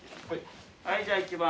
はいじゃあいきます。